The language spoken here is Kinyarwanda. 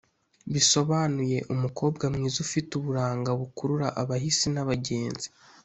bisobanuye umukobwa mwiza ufite uburanga bukurura abahisi n'abagenzi